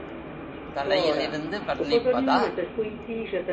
தலையில் இருந்து வர்ணிப்பதா?